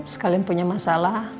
sekalian punya masalah